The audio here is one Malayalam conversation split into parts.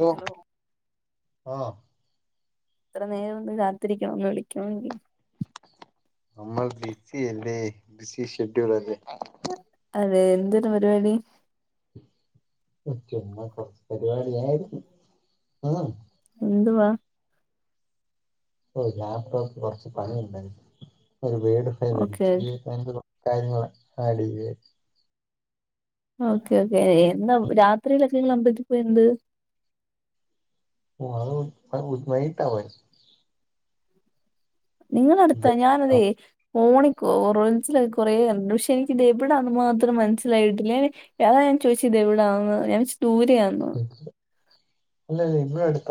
ഓ.. ഹലോ ആ.. എത്ര നേരന്നുകാത്തിരിക്കണം ഒന്ന് വിളിക്കണങ്കി. നമ്മൾ ബിസിയല്ലേ? ബിസി ഷെഡ്യൂളല്ലെ? അതെ, എന്തൊരു പരുപാടി? ഉ ചുമ്മ കൊറച്ച് പരിപാടിയായിരുന്നു ആ എന്തുവാ ഓ ലാപ്ടോപ്പി കൊറച്ച് പണിയുണ്ടാരുന്നെ ഒരു വീട് ഓക്കെ പണിലബിച്അയ്നു കാര്യങ്ങള് [unintelligible] ഓക്കെ, ഓക്കെ എന്താ രാത്രിയിലൊക്കെ നിങ്ങൾ അമ്പലത്തിപോയിനത്. വൗ വാ വയിട്ടാപോയെ നിങ്ങടെ അടുത്താ ഞാനതെ ഓണിക് റൻസിലകൊറെണ്ട് പക്ഷെ എനിക്ക്തെവിടേന്ന് മാത്രം മനസ്സിലായിട്ടില്ലെ. അതാ ഞാ ചോദിച്ചെ ഇത് എവിടാന്ന് ഞാന്ച്ച്ദൂരയാന്ന്. [unintelligible] അല്ലല്ല ഇവിടടുത്ത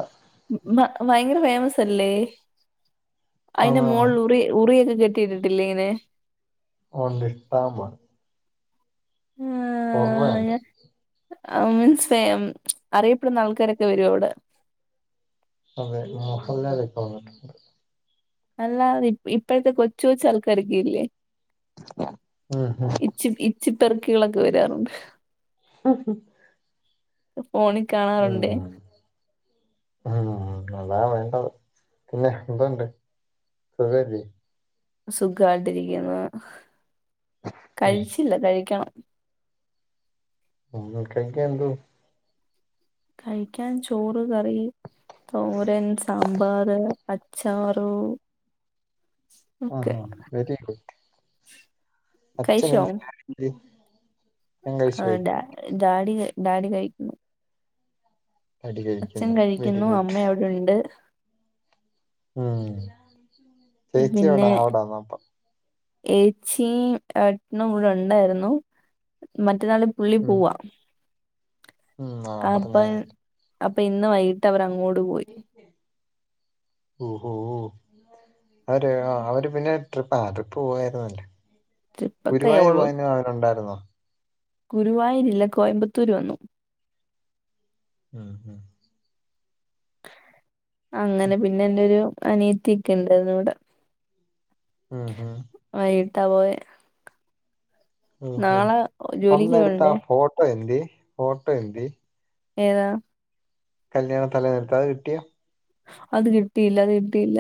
ബ ഭയങ്കര ഫേമസ് അല്ലേ? അതിന്റെ ആണോ മോളിൽ ഉറി ഉറിയൊക്കെ കെട്ട് കേട്ടിട്ടില്ലേത്? ഔർലിട്ടാമ്പു [unintelligible] ഹൊറേണ്ട്. ആ മൻസിലായി അം അറിയപ്പെടുന്ന ആൾക്കാരൊക്കെ വരും അവടെ. അതെ, മോഹല്ലാല് ഇപ്പോ വന്നിട്ടുണ്ട്. അല്ലാതി ഇപ്പഴത്തെ കൊച്ചുകൊച്ചാ ൾക്കാരൊക്കെയില്ലെ? ഉം അ അ ച്ചി ഇച്ചിപെറുക്കികളൊക്ക വരാറുണ്ട്. ഉം ഉ അ ഫോണിൻ ഉവ്.... [inaudible] ഉ കതാ വേണ്ടത്. പിന്നെ, എന്തുണ്ട് സുഖല്ലിയോ? സുഖായിട്ടിരിക്കുന്നു. കഴിച്ചില്ല, കഴിക്കണം. നിങ്ങൽക്കൊക്കെ ന്തു കഴിക്കാൻ ചോറ് കറി തോരൻ, സാമ്പാറ്, അച്ചാറു ആ ഓക്കെ ഹാ [inaudible] അച്ഛ നല്ലെ ഹാബീന്റെ ആ ഡാ ഡാഡിഡാഡികഴിക്കുന്നു. അടി അച്ഛൻ കഴിക്കുന്നു വെരി കഴിക്കുന്നു ഗുഡ് അമ്മ അവിടുണ്ട്. ഉം ഇ ചേച്ചി പിന്നെ, എവിടാ അവിടാന്ന് അപ്പ ഏച്ചിയും, ഏട്ടനും, വിടെണ്ടായിരുന്നു മറ്റന്നാളി പുള്ളി ഉം പോവാ ഉം ആ പറഞ്ഞ അപ്പംഅപ്പ ഇന്ന് വൈക് ട്ട് വരങ്ങോട് പോയി ഓഹോ! അവര് അവര് പിന്നെ ട്രിപ്പ് ആ ഡ്രിപ് പോയാരുന്നല്ലോ? ട്രിപ്പൊക്കെ ഗുരുവായൂർ ഉള്ളു പോയന്ന് അവരുണ്ടായിരുന്നോ? ഗുരുവായൂരില്ല കോയമ്പത്തൂര് വന്നു. അ ആ അങ്ങനെ പിന്നെ എന്റെരു അനിയത്തി ക്കെണ്ടായിരുന്നു ഇവിടെ. ആ ഹെ വൈകിട്ടാ പോയെ. നാളെ ജോലിക്ക് പോവെണ്ടേ? ഫൈനലി ഓട്ടോ [unintelligible] ഏതാ കല്യാണ തലേന്ന്ട്തത്താ കിട്ടി അത് കിട്ടിയില്ല അത് കിട്ടിയില്ല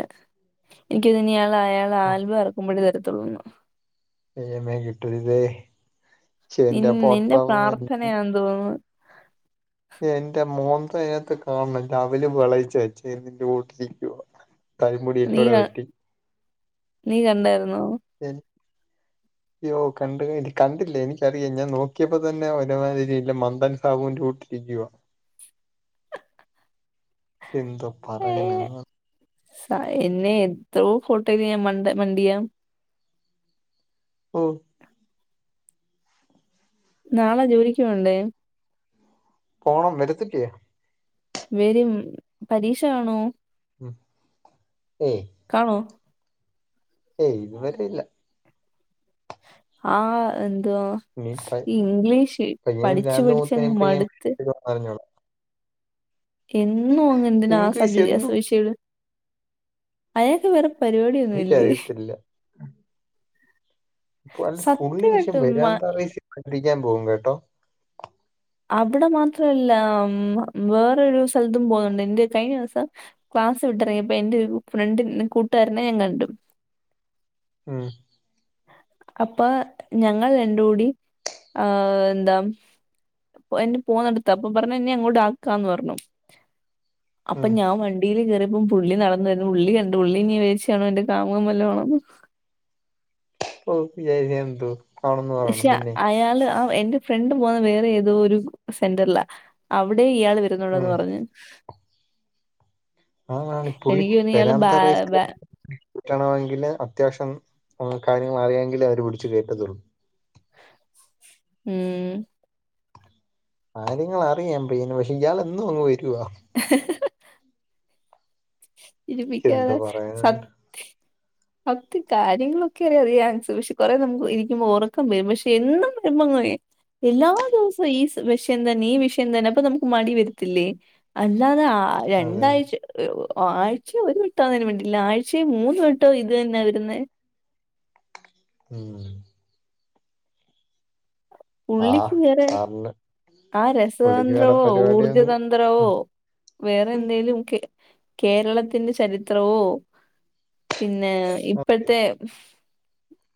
എനിക്കതിനിയാൾ അയാൾ ഓ ആൽബം അറക്കുമ്പോഴേ തരത്തുള്ളൂ എമ്മേൻ കിട്ടരുത് ചേന്റെ പൊട്ടം വേണം തോന്നുന്നു എന്റെ മോന്ത അതിനകത്ത് കാണണം അവല് വിളയിച്ച വച്ചേ ന്റെ കൂട്ടിരിക്കുവ നീ കരിമുടിയിലൂടെ ക- വെട്ടി നീ കണ്ടാരുന്നോ? ഏഹ് അയ്യോ കണ്ട് കണ്ടില്ലേ എനിക്കറിയാം ഞാൻ നോക്കിയപ്പോ തന്നെ ഒരുമാതിരിഇല്ല മന്ദൻ സാബുന്റെ കൂട്ട് [unintelligible] എന്തോ ഏ, പറയ്ണ് ന്ന് സ എന്നെ എത്രോ ഫോട്ടോയിൽ ഞാൻ മണ്ട മണ്ടിയാ ഓ നാളെ ജോലിക്ക് പോവണ്ടേ പോണം വെരത്തില്ലേ വെരും പരീക്ഷകാണോ ഉം ഏയ് കാണോ ഏയ് ഇതുവരെ ഇല്ല ആഹ് എന്തുവാ നീ ഈ ഇംഗ്ലീഷ് പഠിച്ചുപഠിച്ചങ്ങ് മടുത്ത് അറിഞ്ഞോ എന്നും അങ്ങ് എന്തിനാ ആ ഇംഗ്ലീഷ് സബി എന്നും സുശീല് അയാക്ക് വേറേ പരിപാടിയൊന്നും ഇല്ലേ എനിക്കറിയത്തില്ല വൽ പുള്ളി പക്ഷേ സത്യമായിട്ടും മ വരാന്തറൈഷ് പഠിക്കാൻ പോകും കേട്ടോ അവിടെ മാത്രല്ല മം വേറൊരു സ്ഥലത്തും പോന്നുണ്ട് എന്റെ കഴിഞ്ഞ ദിവസം ക്ലാസ് വിട്ടിറങ്ങിയപ്പം എന്റെയൊരു ഫ്രണ്ട് കൂട്ടുകാരനെ ഞാൻ കണ്ടു ഉം അപ്പൊ ഞങ്ങൾ രണ്ടൂടി ആ എന്താ എന്നെ പോന്നടുത്ത് അപ്പോപറഞ്ഞു എന്നെ അങ്ങോട്ട് ആക്കാന്ന് പറഞ്ഞു അപ്പൊ ഉം ഞാൻ വണ്ടിൽ കയറിയപ്പം പുള്ളി നടന്നവരുന്നു പുള്ളി കണ്ടു പുള്ളി ഇന്നി വിചാരിച്ചു കാണും എന്റെ കാമുകൻ വല്ലോം ആണെന്ന് ഒ വിചാരിക്കന്ന് എന്തു പക്ഷെ അയാള് ആ എന്റെ ഫ്രണ്ട് പോകുന്ന വേറെ ഏതോ ഒരു സെന്ററില അവിടേം ഇയാള് വരുന്നുണ്ടേന്ന് ഉം പറഞ്ഞ് അതാണ് പുള്ളി എനിക്ക് തോന്നി ഇയ്യാള് ബ പെരാന്ത ബ റൈസിലെ കിട്ടണമെങ്കില് അത്യാവശ്യം കാര്യങ്ങള് അറിയാങ്കിലേ അവര് പിടിച്ച് കേറ്റത്തുള്ളൂ ഉം കാര്യങ്ങള് അറിയാം പയ്യന് പക്ഷെ ഇയാള് എന്നും അങ്ങ് വരുവാ [inaudible] എന്താ ചിരിപ്പിക്കാതെ പറയാന സത്യ [unintelligible] കാര്യങ്ങളൊക്കെ അറിയാം ശു ഷ്പ്പ് കൊറെ നമുക്ക് ഇരിക്കുമ്പോ ഉറക്കം വരും പക്ഷെ എന്നും വരുമ്പ ങ്ങയി എല്ലാ ദിവസവും ഈ വിഷയം തന്നെ ഈ വിഷയം തന്നെ അപ്പൊ നമുക്ക് മടി വരത്തില്ലേ അല്ലാതെ ആ അതെ രണ്ടാഴ്ച ഓ ആഴ്ച്ചേ ഒരു വെട്ടം ആന്നേലും വേണ്ടില്ല ആഴ്ച്ചേ മൂന്ന് വേട്ടോമം ഇത് തന്ന വരുന്നേ ഉം ആഹ് സാർ ണ്ട് ആഹ് രസതന്ത്രവോ ഊർജതന്ത്രവോ ഉം. വേറെ എന്തെലുംക്കെ കേരളത്തിന്റെ ചരിത്രവോ പിന്നേ ഇപ്പഴത്തെ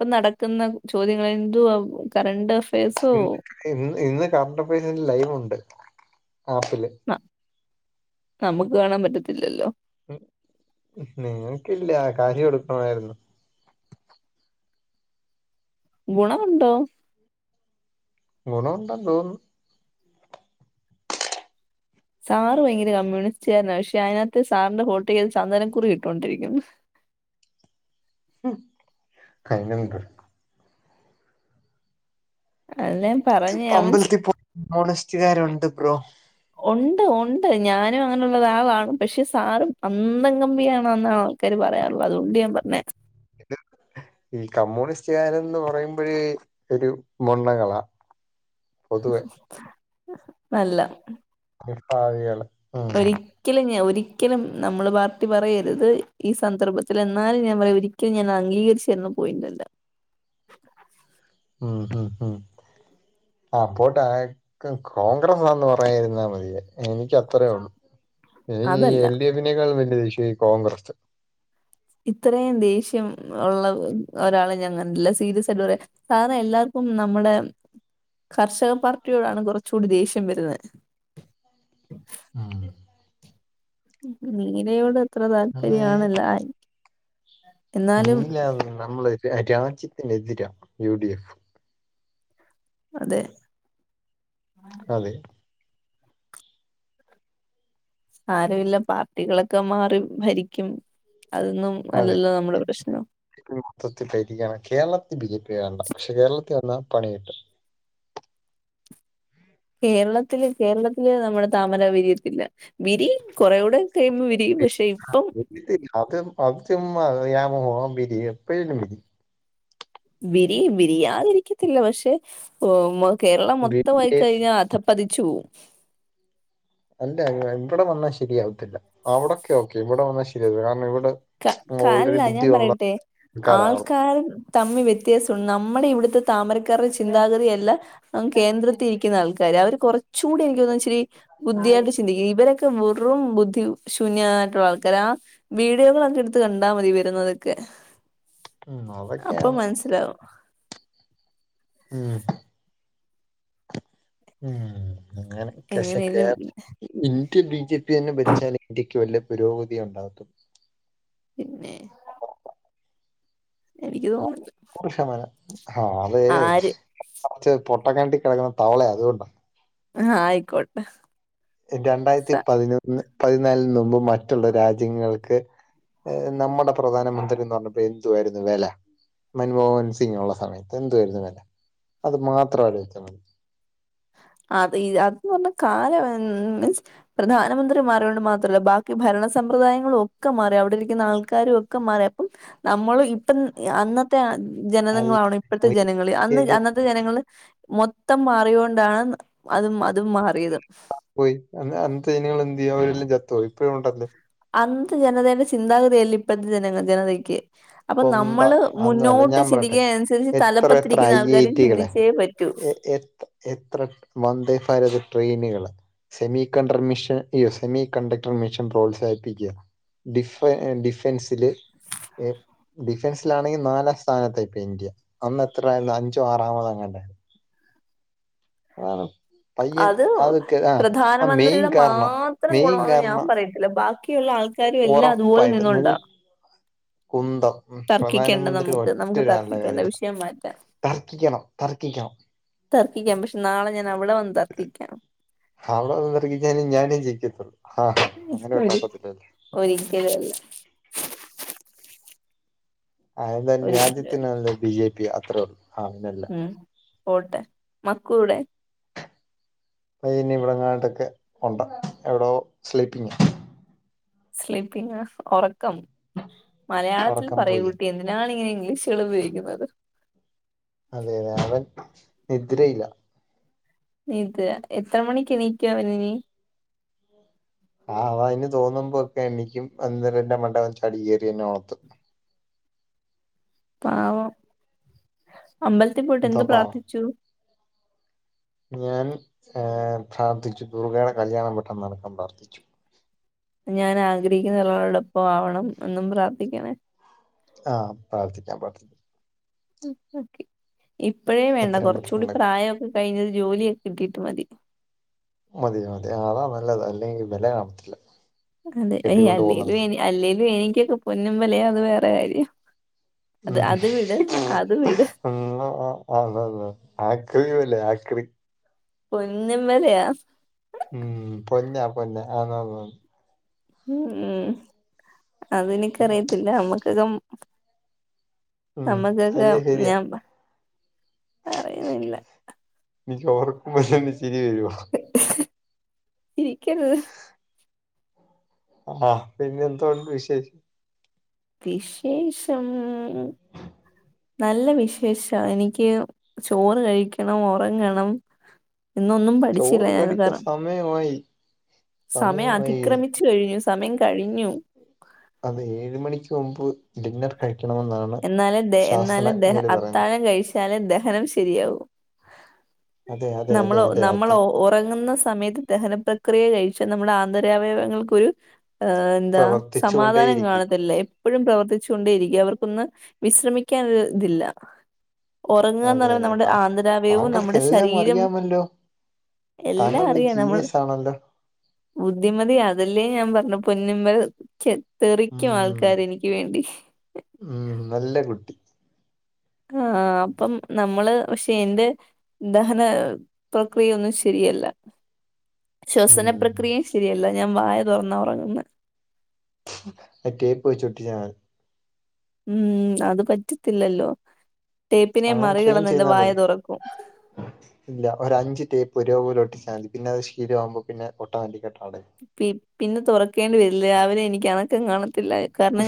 പ്പം നടക്കുന്ന ചോദ്യങ്ങളെ ന്തുവാവ് കറണ്ട് അഫയേസ് ഇന്ന് ഇന്ന് ഇന്ന് കറണ്ട് അഫേഴ്സിന്റെ ലൈവ് ഉണ്ട്. ആപ്പില് ന്ന നമുക്ക് കാണാൻ പറ്റത്തില്ലല്ലോ ൻ നിങ്ങൾക്കില്ലാ കാര്യം എടുക്കണമായിരുന്നു. ഗുണമുണ്ടോ? ഗുണമുണ്ടെന്ന് തോന്ന്ന്ന് സാറ് ഭയ്ങ്കര കമ്മ്യൂണിസ്റ്റ്കാരനാ. പക്ഷെ അതിനാത്ത് സാറിന്റെ ഹാൾ ടിക്കറ്റിൽ ചന്ദനക്കുറിട്ടോണ്ടിരിക്ക്ന്ന് [unintelligible] [unintelligible] ക്ക്പ്പൊ അവൻ അമ്പലത്തിൽ പോ [unintelligible] മ്മൂണിസ്റ്റുകാരുണ്ട് ബ്രോ ഒണ്ട്, ഒണ്ട്. ഞാനും അങ്ങനൊള്ള ഒര ആളാണ്. പക്ഷെ സാറ് അന്തം കമ്മിയാണ്ന്ന് ക്കാര് പറയാറ് ള്ളെ അത്കൊണ്ട് ഞാൻ പറഞ്ഞെ [unintelligible] ഈ കമ്മ്യൂണിസ്റ്റ്കാരൻന്ന് പറയുമ്പഴേ ഒരു മൊണ്ണകളാ പൊതുവെ [unintelligible] അല്ല [unintelligible] ഒരി ക്കലും ഞാൻ ഒരിക്കലും നമ്മളെ പാർട്ടി പറയര്ത്. ഈ സന്ദർഭത്തിലെന്നാലും ഞാൻ പറയും ഒരി ക്കൽ ഞാൻ അംഗീകര്ച്ചെര്ന പോയിൻ്റല്ല ഉം ഉം ഉം ആഹ്, പോട്ടെ [unintelligible] കോൺഗ്രസാന്ന് പറയായിരുന്നാ മതിയേ. എനിക്കത്രേ ഉള്ളു എനിക്കീ അതല്ല എൽ ഡി എഫിനേക്കാളും വല്ല്യ ദേഷ്യാ ഈ കോൺഗ്രസ് ഇത്രേം ദേഷ്യം ഒള്ള ഒരാളെ ഞാൻ കണ്ടില്ല. സീരിയസായിട്ട് പറയാ സാറെല്ലാർക്കും നമ്മുടെ കർഷകപ്പാർട്ടിയോടാണ് കൊറച്ചൂടി ദേഷ്യം വരുന്ന് [unintelligible] നീലയോടിത്ര അത് താല്പര്യാണെല്ലാര് നീല നമ്മളെ രാ രാജ്യത്തിനെതിരാ യു ഡി എഫ് അതെ അതെ ആരൂല്ല പാർട്ടികളൊക്കെ മാറി ഭരിക്കും. അതൊന്നും അതെ അല്ലല്ലോ നമ്മുടെ പ്രശ്നം മൊത്തത്തിൽ [unintelligible] കേരളത്തി ബി ജെ പി വേണ്ട. പക്ഷെ കേരളത്തി വന്നാ പണി കിട്ടും കേരളത്തില് കേരളത്തില് നമ്മടെ താമര വിരിയത്തില്ല. വിരിയും കൊറെ കൂടെ കഴിയുമ്പോ വിരിയും പക്ഷെ ഇപ്പം [unintelligible] അതു ചുമ്മാതെ ബിരി എപ്പഴല്ല വിരിയും വിരിയാതിരിക്കത്തില്ല. പക്ഷെ ഓഹ് കേരളം മൊത്തമായി വിരി കഴിഞ്ഞാ അത പതിച്ചു പോവും അല്ല ഇവ്ടെ വന്നാ ശരിയാവത്തില്ല. അവടൊക്കെ ഓക്കെ. ഇവിടെ വന്നാ ശരിയാവൂല. കാരണം ഇവ്ടെ ക ക അല്ല ഞാൻ പറയട്ടെ. ആൾക്കാരാണ് ആൾക്കാര് തമ്മി വെത്യാസം നമ്മടെവിടത്തെ താമരക്കാര്ടെ ചിന്താഗതിയല്ല അങ്ങ് കേന്ദ്രത്തിരിക്ക്ന്നാൾക്കാര്. അവര് കുറച്ച്കൂടി എനിക്കോന്ന്ച്ചിരി ബുദ്ധിയായിട്ട് ചിന്തിക്കും. ഇവരൊക്കെ വെറും ബുദ്ധിശൂന്യായിട്ടുള്ള ആൾക്കാര. ആ വീഡിയോകള് ഇട്ത്ത് കണ്ടാ മതി വര്ന്നതൊക്കെ. ഉം അപ്പൊ അതൊക്കെയാണ് മനസ്സിലാവും. ഉം, ഉം അങ്ങനെ കശകേ എങ്ങനെലും ഇന്ത്യ ബി. ജെ പി തന്നെ ഭരിച്ചാലെ ഇന്ത്യക്ക് വല്ല്യ പുരോഗതി ഉണ്ടാവത്തൊള്ളു പിന്നെ എനിക്ക് തോന്ന്ണ്ട് [unintelligible] ഹാള് ച്ച് പൊട്ടക്കെണറ്റി കെടക്ക്ണ തവളയായത്കൊണ്ടാ ഹാ ആയ്ക്കോട്ടെ. രണ്ടായിരത്തി പതിനൊന്ന് പതിനാലിന് മുമ്പ് മറ്റ്ള്ള രാജ്യങ്ങൾക്ക്- ഏഹ് നമ്മുടെ പ്രധാനമന്ത്രീന്ന് പറഞ്ഞപ്പോ എന്തുവായിരുന്നു വെല- മൻമോഹൻ സിങ്ങ്ള്ള സമയത്ത് എന്തുവായിരുന്നു വെല അത് മാത്രം ആലോയ്ച്ചാ മതി- അത് ഇ അത് ന്ന് പറഞ്ഞ കാല മീൻസ്- പ്രധാനമന്ത്രി മാറിയോണ്ട് മാത്രല്ല ബാക്കി ഭരണ സമ്പ്രദായങ്ങളൊക്ക മാറി അവിടിരിക്കുന്ന ആൾക്കാരു ഒക്ക മാറി അപ്പം- നമ്മളു ഇപ്പൻ ഇ അന്നത്തെ ആഹ് അല്ല ജനതങ്ങളാണോ ഇപ്പോഴത്തെ ജനങ്ങള് അന്ന് ഒരിക്കലും അന്നത്തെ ജനങ്ങള്- മൊത്തം മാറിയോണ്ടാണെന്ന് അതും അതും മാറിയത്- പൊയി ഇന്ന് അന്നത്തെ ഇനങ്ങൾ എന്തിയെ അവരെല്ലാം ചത്തൊ ഇപ്പഴും ഒണ്ടല്ലോ- അന്ന്ത്തെ ജനതേന്റെ ചിന്താഗതിയല്ലിപ്പഴത്തെ ജന ജനതയ്ക്ക്- അപ്പം കൊന്ത നമ്മള് അതൊന്നും അല്ല മുന്നോട്ട് ഞാൻ പറയട്ടെ ചിന്തിക്കന്നനുസരിച്ച് തലപ്പത്തിരിക്കുന്ന ആൾക്കാരും ചിന്തിച്ചേ പ എ എത് എത്ര വന്ദേഭാരത് ട്രെയിന്കള്- സെമി കണ്ടർ മിഷൻ അയ്യോ സെമി കണ്ടക്ടർ മിഷൻ പ്രോത്സാഹിപ്പിക്കുക- ഡിഫെ ഡിഫൻസില് എ ഡിഫെൻസിലാണെങ്കി നാലാം സ്ഥാനത്തായിപ്പോയി ഇന്ത്യ അന്ന് എത്രയാരുന്നു അഞ്ചോ ആറാമതോ എങ്ങാണ്ടാര് ആഹ് - അത് മെയിൻ പ്രധാനമന്ത്രിയുടെ കാരണം മാത്രം മെയിൻ ഗുണവാന്ന് ഞാൻ കാരണം പറയു- ല്ല ബാക്കിയുള്ള ആൾക്കാരും എല്ലാം അതുപോലെ ഉറപ്പായിട്ട് നൂ നിന്നോണ്ടാ- കുന്തം- മ് തർക്കിക്കേണ്ട പ്രധാനമന്ത്രി നമുക്ക് നമുക്ക് ഒറ്റൊരാളുടെ തർക്കിക്കേണ്ട കാര്യം വിഷയം മാറ്റാം തർക്കിക്കണം തർക്കിക്കണം- തർക്കിക്കാം പക്ഷെ നാളെ ഞാൻ അവിടെ വന്ന്- തർക്കിക്കാം അവിടെ വന്ന് തർക്കിച്ചാലും ഞാനേ ജയിക്കത്തുള്ളൂ ഹാ അങ്ങനെ വിട്ടാ ഒക്കത്തില്ലല്ലൊ- ഒരിക്കലുംഅല്ല- ആഹ് എന്തായാലും ഒരിക്കലും രാജ്യത്തിന് അല്ല നല്ലത് ബി ജെ പിയാ അത്രേ ഉള്ളു ആഹ്പിന്നല്ല- ഉം പോട്ടെ മക്കുവ്ടെ- കയിഞ്ഞിവിടെങ്ങാണ്ടൊക്കെ ഒണ്ട് എവ്ടോ സ്ലീപ്പിംഗ്- സ്ലീപ്പിങ്ങാ ഒറക്കം മലയാളത്തിൽ ഉറക്കം പറയൂ പോയി കുട്ടി എന്നി നാണ് ഇങ്ങനെ ഇംഗ്ലീഷുകളുപയോഗിക്കുന്നത്- അതെയതെ അവൻ നിദ്രയിലാ- നിദ്ര എത്ര മണിക്കെണീക്കും അവനിനി- ആഹ് അവ അയ്ന് തോന്നുമ്പോക്കെ എണീക്കും അന്നരം എന്റ മണ്ടേ അവൻ ചാടി കേറി എന്നെ ഒണത്തും- പാവം അമ്പലത്തിൽ പോയിട്ട് എന്താ എന്ത് പാവം പ്രാർത്ഥിച്ചു- ഞാൻ ങ് പ്രാർത്ഥിച്ചു ദുർഗയുടെ കല്യാണം പെട്ടന്ന് നടക്കാൻ പ്രാർത്ഥിച്ചു- ഞാനാഗ്രഹിക്കുന്ന ഒരാളോടൊപ്പം ആവണം എന്നും പ്രാർത്ഥിക്കണേ- ആഹ് പ്രാർത്ഥിക്കാം പ്രാർത്ഥിക് ഇപ്പഴേ വേണ്ട എത്രയും കൊറച്ചൂടി പെട്ടെന്നുണ്ടാക്കാം പ്രായോക്കെ കഴിഞ്ഞ് ഒരു ജോലിയൊ കിട്ടിട്ട് മതി- മതി മതി ആ അതാ നല്ലത് അല്ലെങ്കി വെല കാണത്തില്ല- അതെ ഏ കെട്ടിക്കൊണ്ട് അല്ലേലും പോകുന്നിടത്ത് എനി അല്ലേലും എനിക്കൊക്ക പൊന്നുംവെലെയാ അത് വേറെ കാര്യം- അത് ഉം. അത് വിട് അത് വിട്- ആഹ് അതെതേ ആക്രി വെലയാ ആക്രി- പൊന്നും വെലയാ- മ് പൊന്നാ പൊന്നാ ആന്നാന്നാന്ന്- മ് ഉം അതെനിക്കറിയത്തില്ല അമ്മ്ക്കകം- ഉം, നമ്മക്കൊക്ക ശരിയാ ശരിയാ ഞാൻ പ പറയുന്നില്ല- എനിക്ക് ഓർക്കുമ്പോ തന്നെ ചിരി വരുവാ- ചിരിക്കരുത്- ആ പിന്നെന്തോണ്ട് വിശേഷ് വിശേഷം- നല്ല വിശേഷാ എനിക്ക് ചോറ് കഴിക്കണം ഒറങ്ങണം- ഇന്നൊന്നും പ ചോറ് കഴിക്ക് സമയമായി സമയം സമയമായി അതിക്രമിച്ചു കഴിഞ്ഞു സമയം കഴിഞ്ഞു അതേ ഏഴ് മണിക്ക് മുമ്പ് ഡിന്നർ കഴിക്കണമെന്നാണ്. എന്നാലും ദെ എന്നാലും ദഹ ശാസ്ത്രജ്ഞര് പറയുന്നത് അത്താഴം കഴിച്ചാലേ ദഹനം ശരിയാവൂ. അതെ അതെ അതെ നമ്മളോ അതെ നമ്മളോ അതെ ഒറങ്ങുന്ന സമയത്ത് ദഹനപ്രക്രിയ കഴിച്ച് നമ്മടെ ആന്തരാവയവങ്ങൾക്കൊരു ഏഹ് എന്താ സമാധാനം പ്രവർത്തിച്ചുകൊണ്ടേയിരിക്കും കാണത്തില്ല എപ്പഴും പ്രവർത്തിച്ചോണ്ടിരിക്കും അവർ ഒന്ന് വിശ്രമിക്കാനൊര് തില്ല ഒറങ്ങാന്ന് അതെ പറി [unintelligible] അതെ നമ്മടെ താ ആന്തരാവയവും നമ്മടെ താങ്കൾക്കെല്ലാം ശരീരം അറിയാമല്ലോ എല്ലാ താങ്കൾ ഒരു റിയാ നമ്മള് ജീനിയസ് ആണല്ലോ ബുദ്ധിമതി അതല്ലേ ഞാൻ പറണെ പൊന്നുമ [unintelligible] ക്യെ തെറിക്കും ഉം ആൾക്കാര് എനിക്ക് വേണ്ടി ഉം നല്ല കുട്ടി. ആഹ് അപ്പം നമ്മള് പക്ഷെ എൻ്റെ ദഹന പ്രക്രിയൊന്നും ശെരിയല്ല. ശ്വസന ഉം പ്രക്രിയിം ശെരിയല്ല ഞാൻ വായ തൊറന്നാ ഒറങ്ങ്ന്നെ. അ ടേപ്പ് വെച്ച് ഒട്ടിച്ചാ മതി ഉം അത് പറ്റത്തില്ലല്ലോ ടേപ്പിനെ അങ്ങനെ ട്രെയിൻ മറികടന്ന് എന്റെ ചെയ്താൽ വായ മതി തുറക്കും. ഇല്ല ഒരഞ്ച് ടേപ്പ് ഒരേപോലെ ഒട്ടിച്ചാ മതി പിന്നത് ശെര്യാവുമ്പോ പിന്നെ ഓട്ടോമാറ്റിക്കായിട്ടടയും. പി പിന്നെ തൊറക്കേണ്ടി വരില്ല രാവിലെ എനിക്ക് അനക്കം കാണത്തില്ല കാരണം ഞാൻ